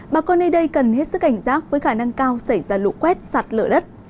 bà con nơi đây cần hết sức cảnh giác với khả năng cao xảy ra lũ quét sạt lỡ đất